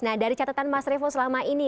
nah dari catatan mas revo selama ini